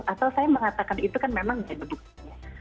atau saya mengatakan itu kan memang tidak berbukanya